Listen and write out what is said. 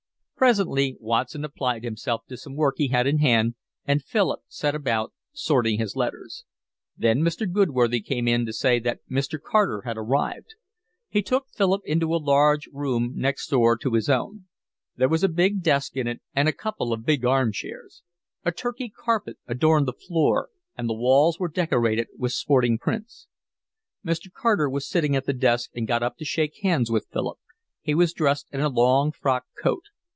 Presently Watson applied himself to some work he had in hand, and Philip set about sorting his letters. Then Mr. Goodworthy came in to say that Mr. Carter had arrived. He took Philip into a large room next door to his own. There was a big desk in it, and a couple of big arm chairs; a Turkey carpet adorned the floor, and the walls were decorated with sporting prints. Mr. Carter was sitting at the desk and got up to shake hands with Philip. He was dressed in a long frock coat.